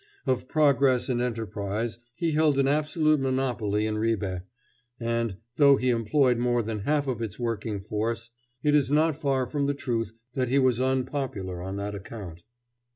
Of progress and enterprise he held an absolute monopoly in Ribe, and though he employed more than half of its working force, it is not far from the truth that he was unpopular on that account.